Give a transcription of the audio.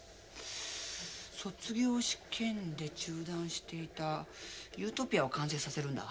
卒業試験で中断していた「ＵＴＯＰＩＡ」を完成させるんだ。